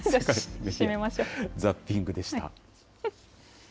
ザッピングでした。